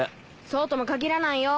そうとも限らないよ。